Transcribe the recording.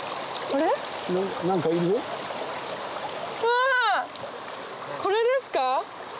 これですか？